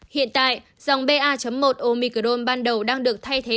hiện tại dòng ba một omicron ban đầu đang được thay thế